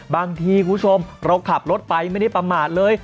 คุณผู้ชมเราขับรถไปไม่ได้ประมาทเลย